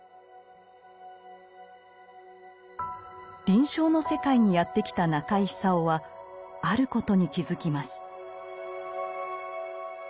臨床の世界にやって来た中井久夫はあることに気付きます。